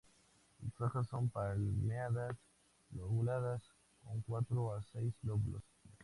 Las hojas son palmeadas lobuladas con cuatro a seis lóbulos.